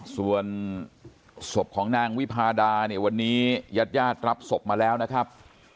ส่วนสบของนางวิภาดาเนี่ยวันนี้ยาดรับสบมาแล้วนะครับ